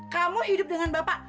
kamu hidup dengan bapak